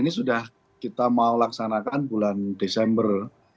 ini sudah kita mau laksanakan bulan desember